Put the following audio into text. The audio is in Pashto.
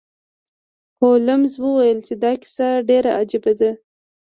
هولمز وویل چې دا کیسه ډیره عجیبه ده.